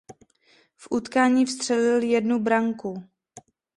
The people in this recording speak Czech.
V utkání vstřelil jednu branku.